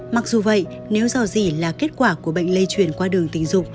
mặc dù vậy nếu do dì là kết quả của bệnh lây truyền qua đường tình dục